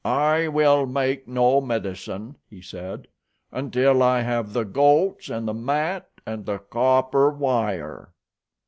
"I will make no medicine," he said, "until I have the goats and the mat and the copper wire."